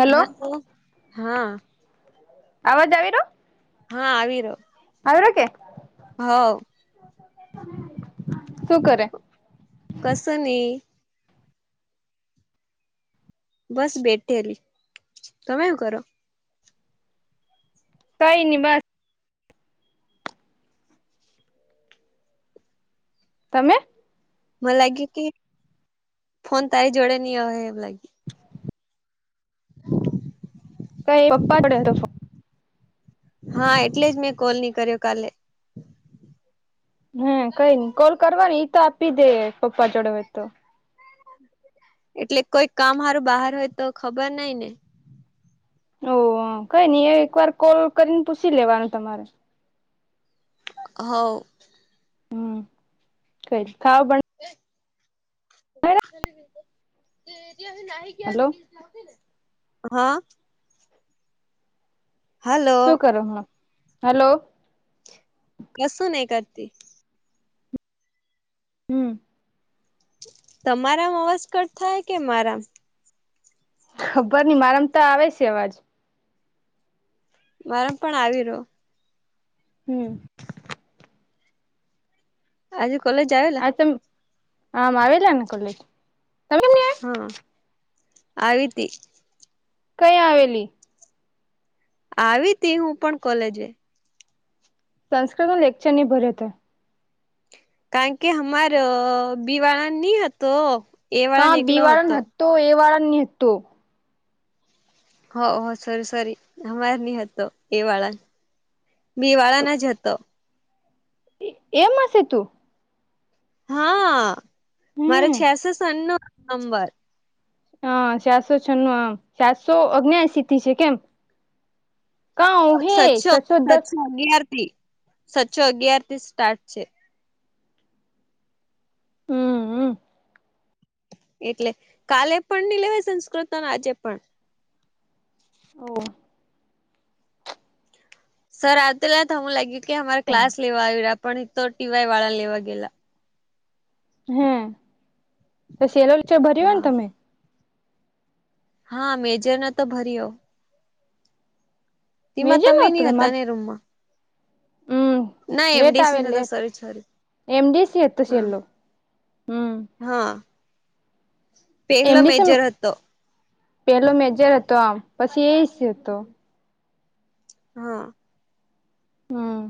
Hello hello હા આવાજ આવી રયો? હા આવી રહ્યો આવે હે કે હોવ. શું કરે? કશું નય. બસ બેઠેલી તમે હું કરો? કઈ નય બસ. [unintelligible] મન લાગ્યું કે ફોન તારી જોડે નય હોય એમ લાગ્યું [inaudible] કઈ પપ્પા જોડે હતો ફોન. હા એટલે જ મેં કોલ નહી કર્યો કાલે. હા કઈનય કોલ કરવાની એ તો આપી દે પપ્પા જોડે હોય તો એટલે કોઈ કામ સારું બહાર હોય તો ખબર નઈ ને હોવ કઈ નઈ એ એકવાર કોલ કરીને પૂછી લેવાનું તમારે હોવ. હમ કહીશ ખાવા બનાવ્યા? [inaudible] હલો હા. હલો શું કરો હો હેલો કસું નહી કરતી હમ. તમારામ અવાજ કટ થાય કે મારામ? ખબર નહી મારામ તો આવે છે અવાજ. મારામ પણ આવી રહ્યો. હમ. આજે કોલેજ આવે? આ આમ આવેલાને કોલેજ તમે નઈ આયા હા આવી તી. કઈ આવેલી? આવી તી હું પણ કોલેજે. સંસ્કૃતના લેક્ચર નહીં ભર્યો તે કારણ કે અમાર બીવાળ નય હતો. એ વાળા કા ને બી એકલો વાળા હતો ને હતું એ વાળા નહતું. હા સોરી સોરી અમર નય હતો એ વાળા બિ વાળા ને જ હતો. એ માંથી તું. હા મારે હમ છેસે સનનું નંબર હ ચારસો છન્નું સાતસો અંગનેએસીથી છે કેમ કઉ હે સચો દસ સાતસો અગયાર થી સાતચો અગયાર થી સ્ટાર્ટ છે હમ્મ હમ્મ એટલે કાલે પણ નહી લેવા સંસ્કૃત અને આજે પણ ઓ હ સર આવતીલા હમું લાગ્યું કે અમારે ક્લાસ લેવા આવી રહ્યા પણ તો ટીવાય વાળા લેવા ગેલા. હે તો સેલોચ ભર્યું હા ને તમે હા મેજેને તો ભરીયો. એમાં મેજર તમે નતો નહીં હતા તમારે ને રૂમમાં. હમ ના લેટ આવે એમડીસીને તો લેટ સરેજ કરી, એમડીસી હતો હા. છેલ્લો હમ હા. પહેલો એમની છે, મેજર હતો પેલો મેજર હતો આમ, પછી એસ રહ્યું તો. હા. હા.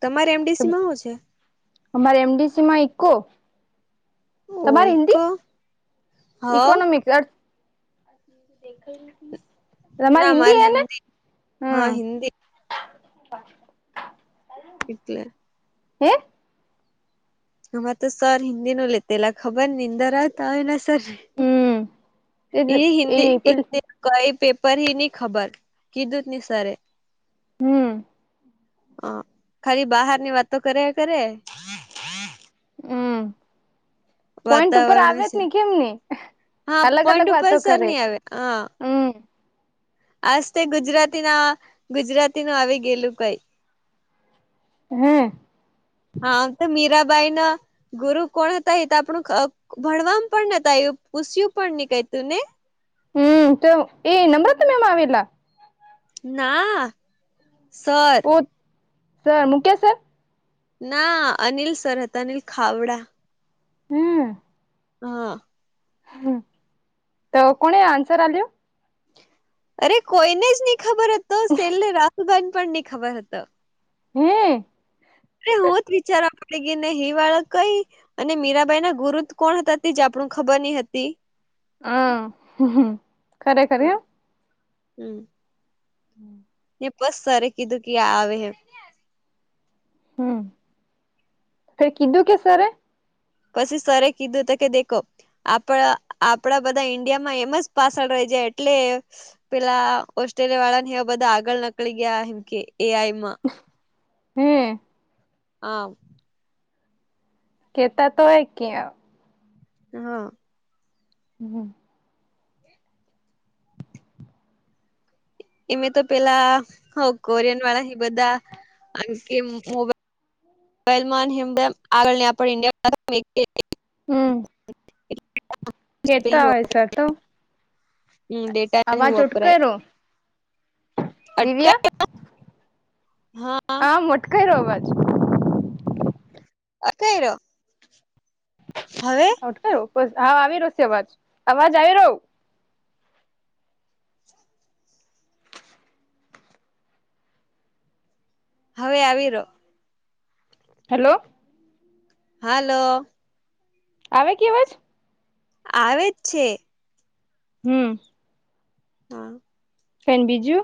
તમારે એમ ડી સી માં હુ શે? અમારે એમ ડી સી માં ઈકોકો. તમારી હિન્દી, ઓઈકો હવ ઇકોનોમિક્સ અ ના તમારી મારે હિન્દી હે ને, હા હમ્મ હિન્દી હ [inaudible] એટલે હે! આમાં તો સર હિન્દી નુ લેતેલા, ખબર નિંદ્રાત આય ને સર હમ એ હિન્દી એ તે કઈ પેપર હી ની ખબર, કીધું જ નહીં સરે. હમ્મ હ ખાલી બહાર ની વાતો કર્યા કરે. હમ્મ પોઈન્ટ ઉપર વાતાવરણ આવેજ વિશે ની કેમ ને, હા અલગ-અલગ પોઈન્ટ ઉપર વાતો સર કરે. નહી આવે હમ આજતે ગુજરાતી ના ગુજરાતી નું આવી ગયેલું કઈ. હમ્મ હામ તો મીરાબાઈ ના ગુરુ કોણ હતા? એ તો આપણું અ ભણવામ પણ નત આવ્યું, પૂસ્યું પણ નહી કંઇ તને હમ્મ, તો એ નમ્રતા મેમ આવેલા? ના સર. ઓ, સર મુકેસ સર? ના, અનિલ સર હતા, અનિલ ખાવડા. હમ્મ હા. હમ્મ, તો કોણે આન્સર આલ્યો. અરે કોઈને જ નહી ખબર હતો, શેલે રાહુલબાઈ ને પણ નહી ખબર હતો. હમ્મ અરે રોજ વિચારા પડી ગી ને હિ વાળ કઈ? અને મીરાબાઈ ના ગુરુત કોણ હતા? તે જ આપણું ખબર નહ હતી. હા, હમ્મ હમ્મ, ખરેખર હે. હમ્મ [inaudible] બસ સરે કીધું કે એ આવહે. હમ્મ, કાઈ કીધું કે સરે? પછી સરે કીધું તો કે દેખો. આપડા, આપડા બધા ઈન્ડિયામાં એમસ પાછળ રહી જાય એટલે પેલા ઓસ્ટ્રેલિયા વાળા ને એવા બધા આગળ નકળી ગયા, એમકે એ આઈ માં. હમ્મ. આ. કેતા તો હોય ક્યાં હા. હમ્મ હમ્મ એમે તો પેલા, હો હકોરિયન વાળા હિ બધા, આમકે મો બાઈલ ને હેમ તેમ આગળ ની આપડી ઈન્ડિયા હમ. [unintelligible] કેતા હોય શે તો? હમ્મ, ડેટાને અવાજ વાપરાય ઉટકેરો દિવ્યા અટકાય હા આ કયરો અવાજ. અથેયરો હવે [unintelligible] હા આવી રો છે અવાજ, અવાજ આવી રો? હવે આવી રો. હેલો હાલો આવે કે અવાજ? આવે જ છે. હમ્મ હમ્મ કઈ બીજું.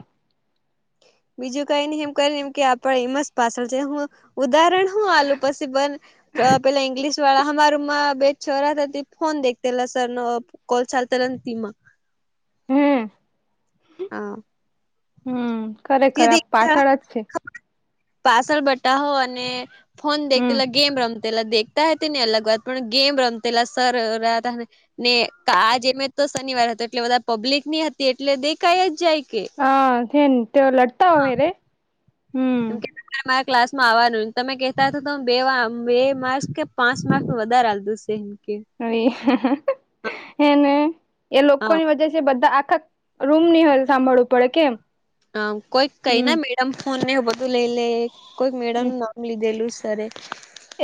બીજું કઈ નહી એમ કય એમ કે આપ એમઝ પાસલ છે હું ઉદાહરણ હું આલુ પછી બન તઅ પેલા ઈંગ્લિશ વાળા, હામા રુમ્માં, બે છોરા થા તે ફોન દેખતેલ સરનો ઉપ કોલ ચાલતા રમતી મા હમ્મ, હા ખરેખર આ પાછળ જ છે. પા્સલ બટાહો અને, ફોન દેખતેલ હમ ગેમ રમ પેલા દેખતા હતી ને અલગ વાત, પણ ગેમ રમતેલા સર રહતાને ને, કાજ મે તો શનિવાર હતો, એટલે બધા પબ્લિક ની હતી એટલે દેખાય જ જાય કે હા, છેન તો લડતા હોયરે. [unintelligible] અમારા ક્લાસ માં આવવાનું, તમે કહેતા હતા તો હુ બેવા, બે માર્ક્સ કે પાંસ માર્કસ વધારે આલ્દુસ. એમ કે હાય, હેને, એ હા લોકોની વચ્ચેજ એ બધા, આખા રૂમ ની હર સાંભળવું પડે કેમ? આમ, કોઈક કઈ ને હમ મેડમ ફોન ને એવું વધું લઈ લે. કોઈક મેડમ નુ નામ લીધેલું સરે.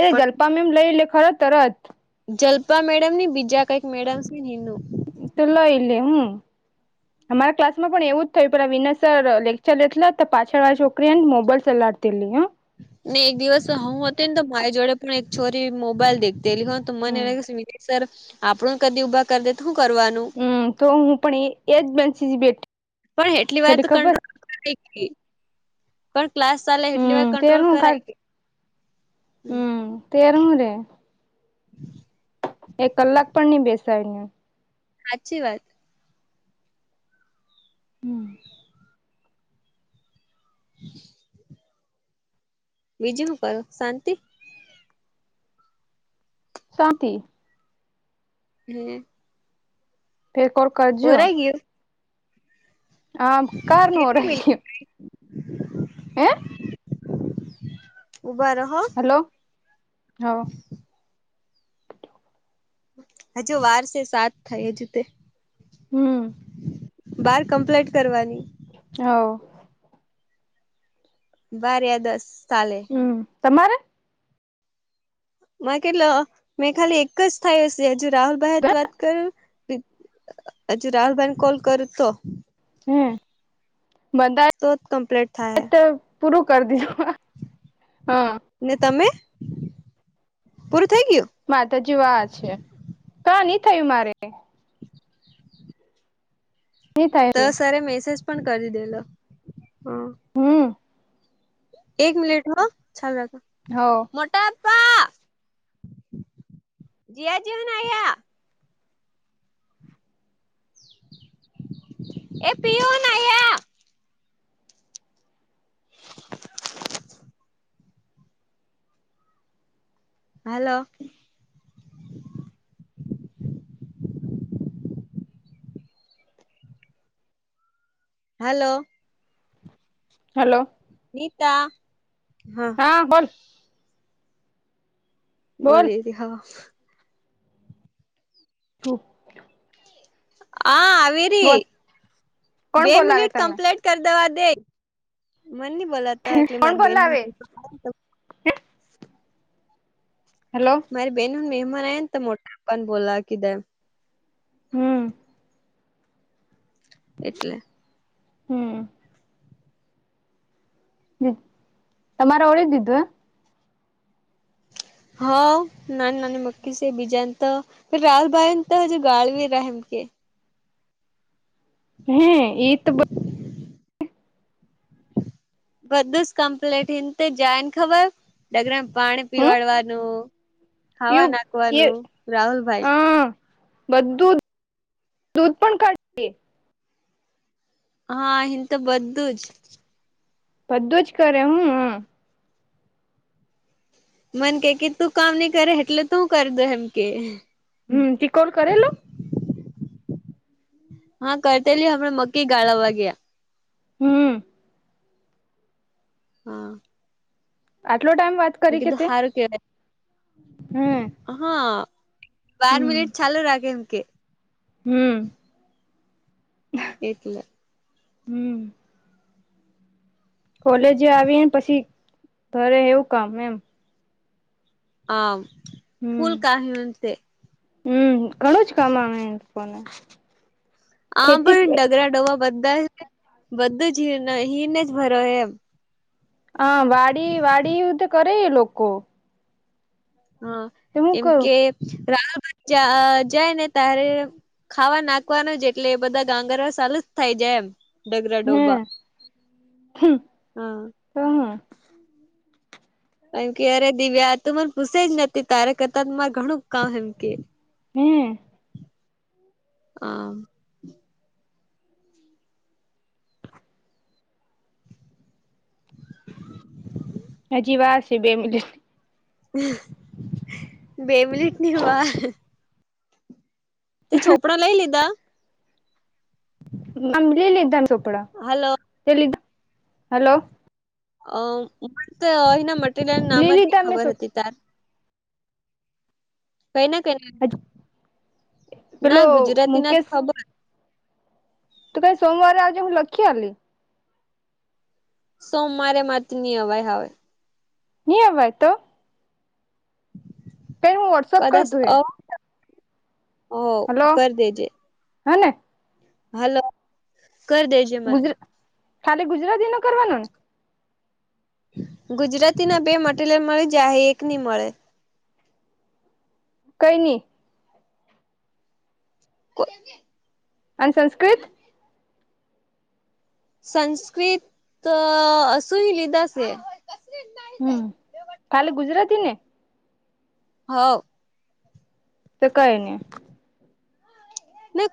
એ જલ્પા પણ મિસ લઈ લે ખર તરત. જલ્પા મેડમ ની, બીજા કંઈક મેડમ સેને ઇનું. તો લઇ લેહુ. અમારા ક્લાસમાં પણ એવું જ થયું, પેલા વિનય સર, લેક્ચર નથલેતા, પાછળ વાળી છોકરીન હેન મોબાઈલ સલાડ તીલી હ, ને એક દિવસ હું હતી ન તો, મારી જોડે પણ એક છોરી મોબાઈલ દેખ ડેલીનો તો મને હે હમ ને કે [unintelligible] સર આપણું કદી ઉભા કર દે તો હુ કરવાનું? હમમ, તો હું પણ એ, એજ બેન્ચ જ બેઠી પણ એટલી વાર તો ખબર કંટ્રો, [inaudible] પણ ક્લાસ સાલે એટલી વાર હમ કંટ્રોલ તેનું કરાય ખ કે, હમ, તેર હું રે, એક કલાક પણ ની બેસાય ન્યા, હાચી વાત હમ, [inaudible] બીજું શું કરો શાંતિ, શાંતિ, હ, એક ઓર કરજો, પુરાઈ ગયું હા કારનું કેટલી ઓરાખ મિનિટ હે, ઉભા રો હો, હલો હા, હજુ વાર સે સાત થાય જ તે, હમ, બાર કમ્પ્લીટ કરવાની્ હ ઓ, બાર યા દસ ચાલે, હમ તમારે, માં કેટલો મેં ખાલી એક જ થાય હશે હજુ રાહુલ ભહેત વાત કરું, હજુ રાહુલભાઈને કોલ કરું તો, હે બંધા તો જ કમ્પ્લીટ થાય તો, પૂરું કરી દું હ હા, ને તમે પૂરું થઈ ગયું. માતાજી વા છે કા નઈ થયું મારે કંઇ, નહી થાય તો છું સરે મેસેજ પણ કરી દેલો હ, હમ, એક મિનિટ હ, ચાલુ રાખો હ ઓ, મોટાપા જીયા જી‌વને અયા, એ પીયો નાહિ હે, હાલો, હલો, હલો, નીતા હા, હા બોલ, બોલ બોલી થી હા, સુ, હા આવી રી, કોણ બે બોલાવે મિનિટ તને કમ્પ્લીટ, કર દવા દે મન ની બોલા, કોણ બોલાવે, હેલો, મારી બેહેન મહેમાન આયા ને તો મોટા પ્પાને બોલાવા કીધાં એમ. હમ, એટલે, હમ, હ તમારે ઓળી દીધું હ, હા નાની નાની મક્કી છે બીજાને તો, રાહુલભાઈને તો હજુ ગાળવી રહમકે, હે એ તો બ [inaudible] બધું જ કમ્પ્લેટ ઇમ તો જાય ને ખબર, ડગરા પાણી હમ પીવાડવાનું, ખાવા યુ એ નાખવાનું, રાહુલભાઈ. હા બધું જ દૂધ પણ કાઢ થી, હા એમ તો બધું જ, બધું જ કરે હું હમમ, મને કે કે તું કામ નઈ કરે એટલે તું કરી દો એમ કે, હમ ત્રીકોણ કરેલો, હા કરતેલી હમણાં મક્કી ગાળાવા ગયા. હમ, હા, આટલો ટાઈમ વાત મેં કરી કે કીધું તે સારું કેવાય હમ, હા બાર હમ મિનિટ ચાલો રાખે એમ કે, હમ, એટલે, હમ કોલેજ આવીને પછી ઘરે એવું કામ એમ, આ હમ ફૂલ કામ હીંદ્સે, હમ ઘણું જ કામ આવે મૂકવાનું. આમ પણ ડગરા ડોવા બધા છે બધું જ હીર હીરને જ ભરો એમ, હા વાડી વાડી યુદ્ધ કરે એ લોકો, હા તો હું એમ કરું કે રા ભચા જાય ને ત્યારે, ખાવા નાખવાનું જ એટલે એ બધા ગાંગર સાલુ જ થાય જાય એમ, ડગરા ડોબા હમ હા, હમ કારણ કે અરે દિવ્યા તું મને પૂસે જ ન તારે કરતા મારે ઘણું કામ એમ કે, હમ કામ, [inaudible] હજી વાર છે બે મિનિટ, બે મિનિટ ની વાર, તે ચોપડા લઈ લીધા. મને લઈ લીધા ચોપડા. હલો, લઈ લીધા હલો, અ મને તો અહીના મટીરીયલ નું નામ લી જ લીધા મેં ખબર હતી તાર કઈ ના કઈ ના પેલો ના ગુજરાતી ના તો ખબર. ત કાઈ સોમવારે આ આવજ જે લખી આવેલી. સોમવારે મારાથી ની અવાય હવે. ની અવાય તો? કઈ હું વોટ્સઅપ કર કદાચ દુ એ અ તો ઓ કર દેજે. હે ને? હલો, કર દેજ. ગુજરા ખાલી ગુજરાતી નો કરવાનો ને? ગુજરાતીના બે મટીરીયલ તો મળે જહે એક નહી મળે. કંઈ નહીં? કો [unintelligible] અને સંસ્કૃત? સંસ્કૃત ત અશું એ લીધા સે. હમ, કાલે ગુજરાતી ને? હ. તો કઈ નહી. ને